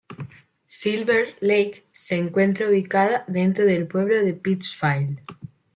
Silver Lake se encuentra ubicada dentro del pueblo de Pittsfield.